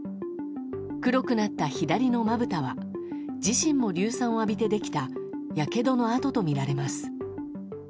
黒くなった左のまぶたは自身も硫酸を浴びてできたやけどの痕とみられます。